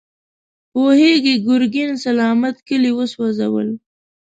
پوهېږې، ګرګين سلامت کلي وسوځول.